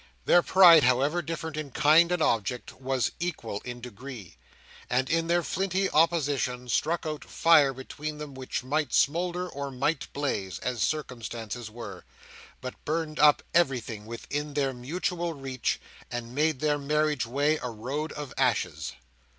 Their pride, however different in kind and object, was equal in degree; and, in their flinty opposition, struck out fire between them which might smoulder or might blaze, as circumstances were, but burned up everything within their mutual reach, and made their marriage way a road of ashes.